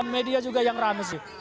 media juga yang rame sih